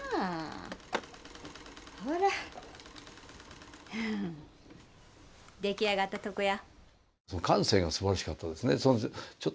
ほら出来上がったとこや。